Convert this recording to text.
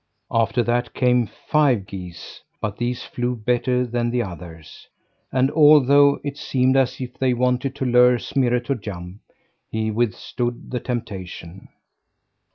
After that came five geese; but these flew better than the others. And although it seemed as if they wanted to lure Smirre to jump, he withstood the temptation.